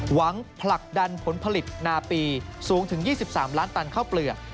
ผลักดันผลผลิตนาปีสูงถึง๒๓ล้านตันข้าวเปลือก